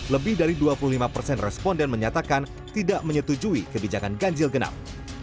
lebih dari dua puluh lima persen responden menyatakan tidak menyetujui kebijakan ganjil genap